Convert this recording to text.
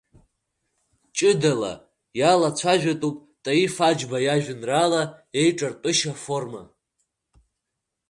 Ҷыдала иалацәажәатәуп Таиф Аџьба иажәеинраала еиҿартәышьа аформа.